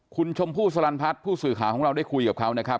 คุณชมพู่สลันพัฒน์ผู้สื่อข่าวของเราได้คุยกับเขานะครับ